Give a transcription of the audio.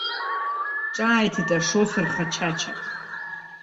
Ҿааиҭит ашофер хачача.